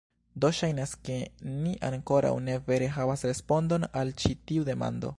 Do ŝajnas ke ni ankoraŭ ne vere havas respondon al ĉi tiu demando